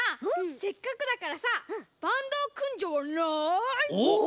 せっかくだからさバンドをくんじゃわない？おっ！？